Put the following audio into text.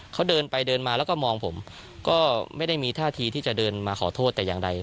เขาเดินไปเดินมาแล้วก็มองผมก็ไม่ได้มีท่าทีที่จะเดินมาขอโทษแต่อย่างใด